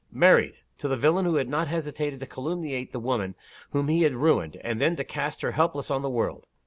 Married to the villain who had not hesitated to calumniate the woman whom he had ruined, and then to cast her helpless on the world.